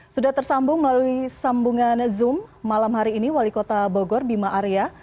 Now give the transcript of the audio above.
sudah tersambung melalui sambungan zoom malam hari ini wali kota bogor bima arya